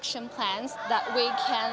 yang dapat kita lakukan